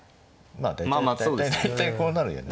まあ大体こうなるよね。